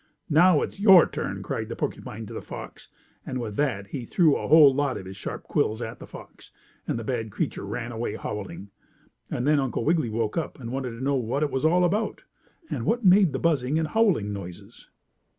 "Now, it's your turn!" cried the porcupine to the fox, and with that he threw a whole lot of his sharp quills at the fox, and that bad creature ran away howling. And then Uncle Wiggily woke up and wanted to know what it was all about, and what made the buzzing and howling noises.